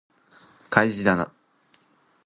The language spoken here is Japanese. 開示だな